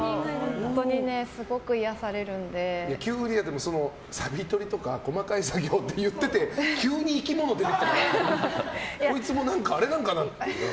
本当にすごく癒やされるんで。、サビとりとか細かい作業って言ってて急に生き物出てきたからこいつもあれなんかなって。